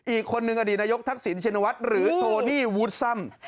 อีกคนนึงอดีตนายกทักษิณชินวัฒน์หรือโทนี่วูดซ่ำ